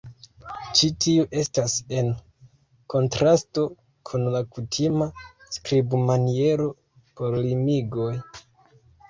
Ĉi tiu estas en kontrasto kun la kutima skribmaniero por limigoj.